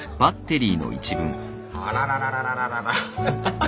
あらららららららら。